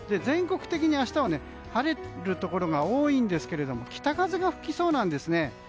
全国的に明日は晴れるところが多いんですけども北風が吹きそうなんですね。